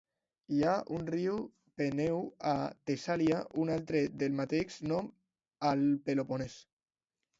Hi ha un riu Peneu a Tessàlia, i un altre del mateix nom al Peloponès.